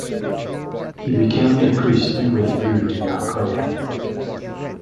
He became a priest and withdrew to Mount Koya.